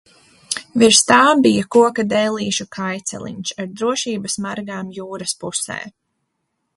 Virs tā bija koka dēlīšu kājceliņš ar drošības margām jūras pusē.